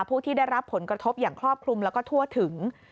ผู้ที่ได้รับผลกระทบอย่างครอบคลุมแล้วก็ทั่วถึง